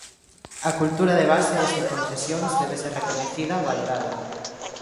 A cultura de base e sen concesións debe ser recoñecida, valorada.